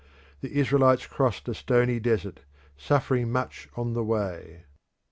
The Israelites crossed a stony desert, suffering much on the way.